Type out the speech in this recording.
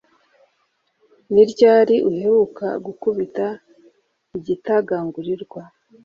Ni ryari uheruka gukubita igitagangurirwa